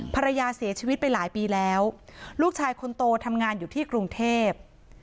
ภรรยาเสียชีวิตไปหลายปีแล้วลูกชายคนโตทำงานอยู่ที่กรุงเทพ